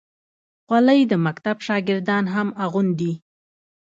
خولۍ د مکتب شاګردان هم اغوندي.